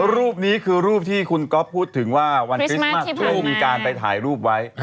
รูปนี้คือรูปที่คุณก๊อฟพูดถึงว่าวันคริสต์มัสได้มีการไปถ่ายรูปไว้